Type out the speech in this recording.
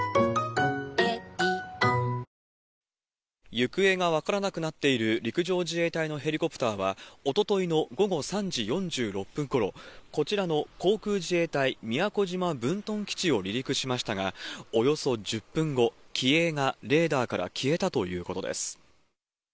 行方が分からなくなっている陸上自衛隊のヘリコプターは、おとといの午後３時４６分ごろ、こちらの航空自衛隊宮古島分屯基地を離陸しましたが、およそ１０分後、機影がレーダーから消えたということです。